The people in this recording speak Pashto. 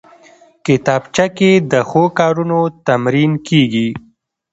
کتابچه کې د ښو کارونو تمرین کېږي